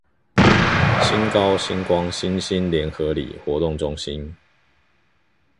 新高新光新興聯合里活動中心